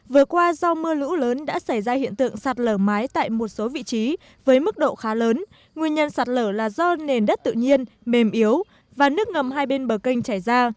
vừa qua do mưa lũ lớn đã xảy ra hiện tượng sạt lở mái tại một số vị trí với mức độ khá lớn nguyên nhân sạt lở là do nền đất tự nhiên mềm yếu và nước ngầm hai bên bờ kênh chảy ra